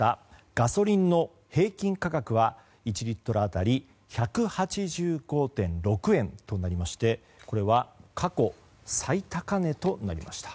ガソリンの平均価格は１リットル当たり１８５．６円となりましてこれは過去最高値となりました。